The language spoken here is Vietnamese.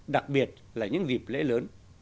đặc biệt là những dịp lễ lớn